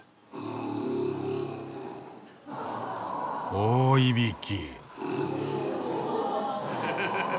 大いびき。